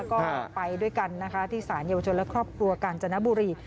ก็ไปด้วยกันนะคะที่สารเยาวชนและครอบครัวกาญจนบุรี